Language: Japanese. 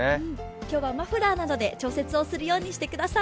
今日はマフラーなどで調節するようにしてください。